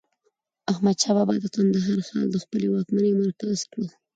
احمد شاه بابا د کندهار ښار د خپلي واکمنۍ مرکز کړ.